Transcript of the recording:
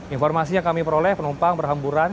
informasi yang kami peroleh penumpang berhamburan